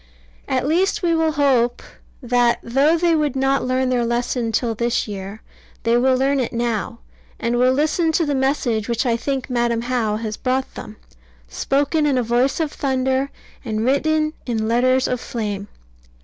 At least we will hope that, though they would not learn their lesson till this year, they will learn it now, and will listen to the message which I think Madam How has brought them, spoken in a voice of thunder, and written in letters of flame.